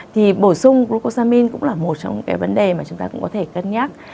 thì bổ sung grocosamin cũng là một trong những vấn đề mà chúng ta cũng có thể cân nhắc